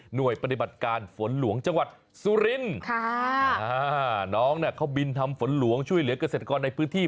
ปฏิบัติการฝนหลวงจังหวัดสุรินค่ะอ่าน้องน่ะเขาบินทำฝนหลวงช่วยเหลือกเกษตรกรในพื้นที่